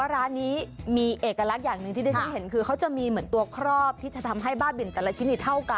ร้านนี้มีเอกลักษณ์อย่างที่ได้คือจะมีตัวครอบที่จะทำให้บาปเป็นแต่ละชิ้นิดเท่ากัน